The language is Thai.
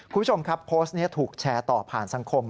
คุณผู้ชมครับโพสต์นี้ถูกแชร์ต่อผ่านสังคม